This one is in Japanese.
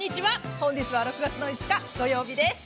本日は６月５日、土曜日です。